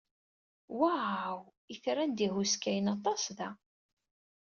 Waw! Itran d ihuskayen aṭas da.